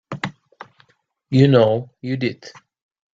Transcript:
You know you did.